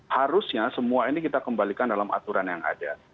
harusnya semua ini kita kembalikan dalam aturan yang ada